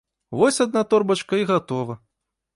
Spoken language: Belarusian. Вось адна торбачка і гатова!